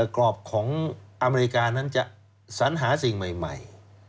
กรอบของอเมริกานั้นจะสัญหาสิ่งใหม่